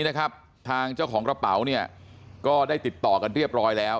นะครับทางเจ้าของกระเป๋าเนี่ยก็ได้ติดต่อกันเรียบร้อยแล้ว